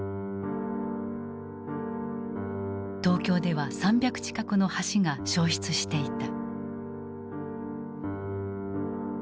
東京では３００近くの橋が焼失していた。